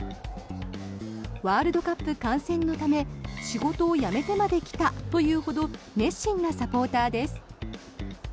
ワールドカップ観戦のため仕事を辞めてまで来たというほど熱心なサポーターです。